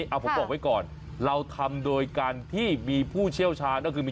ค่ะเอ้าผมต้องไว้ก่อนเราทำโดยการที่มีผู้เชี่ยวชาวนี่ต้องคนซ้ายมี